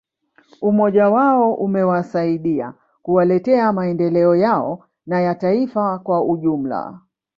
Umoja wao umewasaidia kuwaletea maendeleo yao na ya taifa kwa ujumla